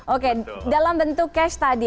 oke dalam bentuk cash tadi